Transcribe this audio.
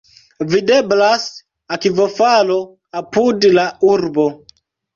Videblas akvofalo apud la urbo.